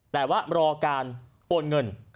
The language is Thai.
แต่ว่ารอการโอนเงิน